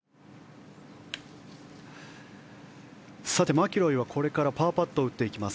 マキロイはこれからパーパットを打っていきます。